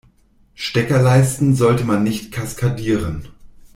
Steckerleisten sollte man nicht kaskadieren.